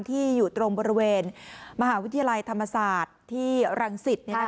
อยู่ตรงบริเวณมหาวิทยาลัยธรรมศาสตร์ที่รังสิต